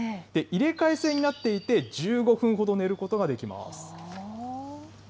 入れ替え制になっていて、１５分ほど寝ることができます。